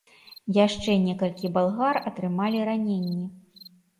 Яшчэ некалькі балгар атрымалі раненні.